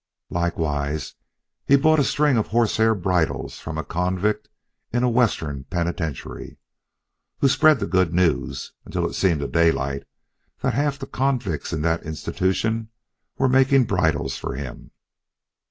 Likewise, he bought a string of horse hair bridles from a convict in a Western penitentiary, who spread the good news until it seemed to Daylight that half the convicts in that institution were making bridles for him.